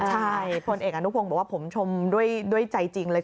ใช่พลเอกอนุพงศ์บอกว่าผมชมด้วยใจจริงเลย